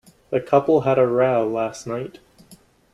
The couple had a row last night.